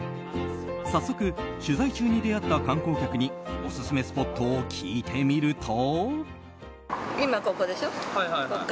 早速、取材中に出会った観光客にオススメスポットを聞いてみると。